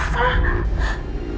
mama bukan nakutin kamu